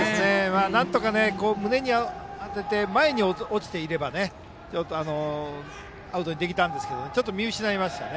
なんとか胸に当てて前に落ちていればアウトにできたんですがちょっと見失いましたね。